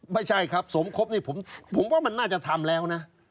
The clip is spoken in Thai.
ไม่ใช่ครับสมครบนี่ผมว่ามันน่าจะทำแล้วนะ